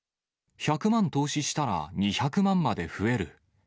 １００万投資したら、２００万まで増える。